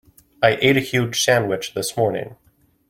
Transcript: I ate a huge sandwich this morning.